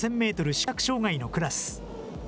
視覚障害のクラス。